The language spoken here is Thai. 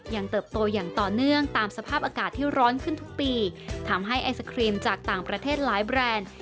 เติบโตอย่างต่อเนื่องตามสภาพอากาศที่ร้อนขึ้นทุกปีทำให้ไอศครีมจากต่างประเทศหลายแบรนด์